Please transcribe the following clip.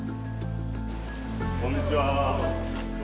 こんにちは。